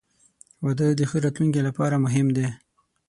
• واده د ښه راتلونکي لپاره مهم دی.